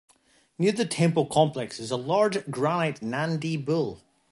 Near the temple complex is a large granite Nandi bull.